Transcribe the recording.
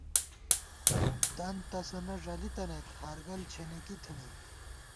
دنت تَسَنہ ݫَلی تَنَئیت، ہارگل چھېنېکی تھنی